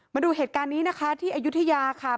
มาดูเหตุการณ์นี้นะคะที่อายุทยาค่ะ